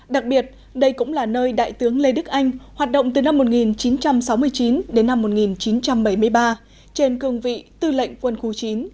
đặc biệt đây cũng là nơi đại tướng lê đức anh hoạt động từ năm một nghìn chín trăm sáu mươi chín đến năm một nghìn chín trăm bảy mươi ba trên cương vị tư lệnh quân khu chín